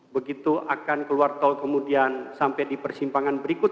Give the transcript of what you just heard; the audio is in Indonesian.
begitu akan keluar tol kemudian sampai di persimpangan berikut